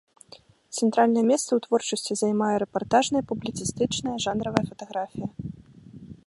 Цэнтральнае месца ў творчасці займае рэпартажная, публіцыстычная, жанравая фатаграфія.